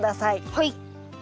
はい。